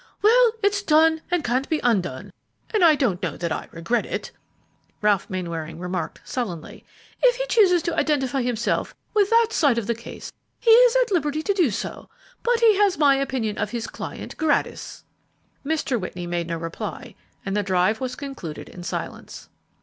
"Well, it's done, and can't be undone, and I don't know that I regret it," Ralph Mainwaring remarked, sullenly. "If he chooses to identify himself with that side of the case he is at liberty to do so, but he has my opinion of his client gratis." Mr. Whitney made no reply, and the drive was concluded in silence.